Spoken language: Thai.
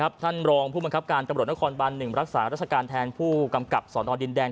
ครับท่านรองผู้มันครับการตำรวจนักฮอลบันหนึ่งรักษารัชการแทนผู้กำกลับสอนออดินแดง